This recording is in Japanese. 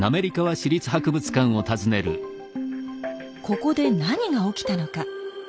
ここで何が起きたのか。